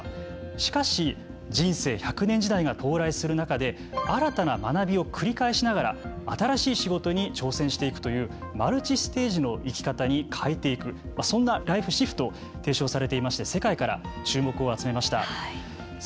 しかし、人生１００年時代が到来する中で新たな学びを繰り返しながら新しい仕事に挑戦していくというマルチステージの生き方に変えていくそんな「ライフ・シフト」を提唱されていまして世界から注目を集めました。